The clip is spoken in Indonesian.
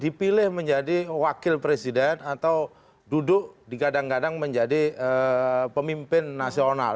dipilih menjadi wakil presiden atau duduk digadang gadang menjadi pemimpin nasional